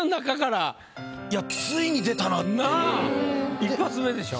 一発目でしょ？